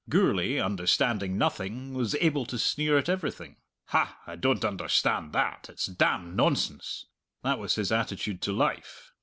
Gourlay, understanding nothing, was able to sneer at everything. "Hah! I don't understand that; it's damned nonsense!" that was his attitude to life.